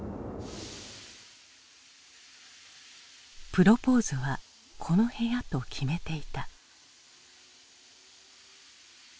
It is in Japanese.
プロポーズはこの部屋と決めていた。